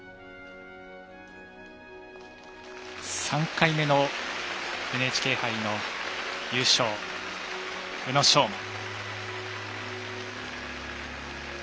３回目のＮＨＫ杯の優勝宇野昌磨。